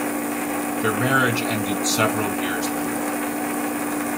Their marriage ended several years later.